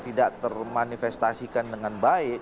tidak termanifestasikan dengan baik